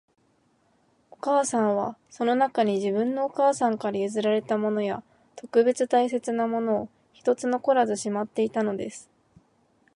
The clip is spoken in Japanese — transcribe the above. お母さんは、その中に、自分のお母さんから譲られたものや、特別大切なものを一つ残らずしまっていたのです